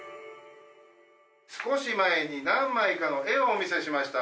「少し前に何枚かの絵をお見せしました」